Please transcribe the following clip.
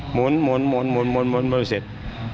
หมุนไปเลยเสร็จ